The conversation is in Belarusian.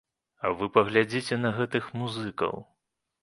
А вы паглядзіце на гэтых музыкаў!